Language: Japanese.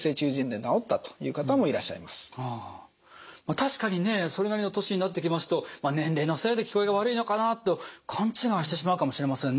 確かにねそれなりの年になってきますと年齢のせいで聞こえが悪いのかなと勘違いしてしまうかもしれませんね。